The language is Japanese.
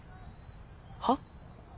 はっ？